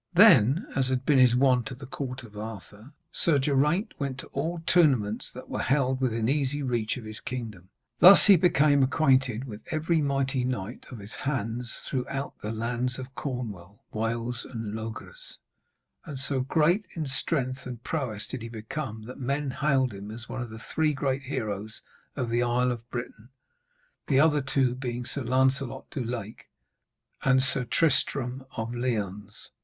Then, as had been his wont at the court of Arthur, Sir Geraint went to all tournaments that were held within easy reach of his kingdom. Thus he became acquainted with every mighty knight of his hands throughout the lands of Cornwall, Wales and Logres; and so great in strength and prowess did he become that men hailed him as one of the Three Great Heroes of the Isle of Britain; the other two being Sir Lancelot du Lake and Sir Tristram of Lyones.